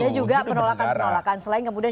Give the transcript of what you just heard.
ada juga penolakan penolakan selain kemudian